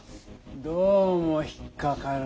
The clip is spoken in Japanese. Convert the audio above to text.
どうも引っかかるんだ。